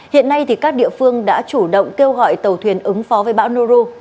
hiện nay các địa phương đã chủ động kêu gọi tàu thuyền ứng phó với bão noru